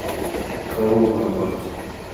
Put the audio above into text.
Quand ouvre la porte ?